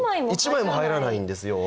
１枚も入らないんですよ。